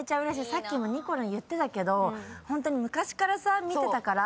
さっきもにこるん言ってたけどホントに昔からさ見てたから。